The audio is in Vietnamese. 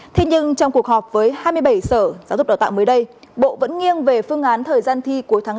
thế nhưng trong cuộc họp với hai mươi bảy sở giáo dục đào tạo mới đây bộ vẫn nghiêng về phương án thời gian thi cuối tháng bốn